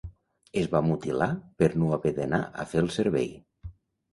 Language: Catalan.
Es va mutilar per no haver d'anar a fer el servei.